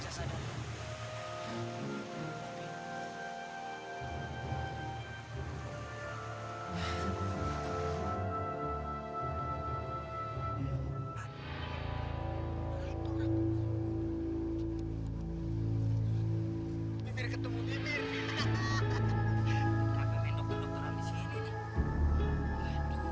saya cuma berniat menolong